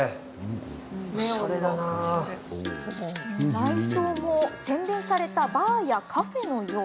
内装も洗練されたバーやカフェのよう。